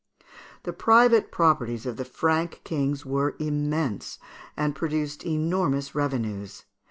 ] The private properties of the Frank kings were immense, and produced enormous revenues.